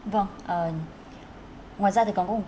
vâng ngoài ra thì con cũng